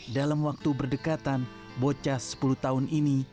dalam waktu berdekatan bocah sepuluh tahun ini